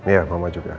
iya mama juga